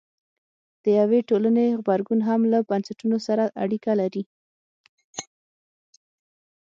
د یوې ټولنې غبرګون هم له بنسټونو سره اړیکه لري.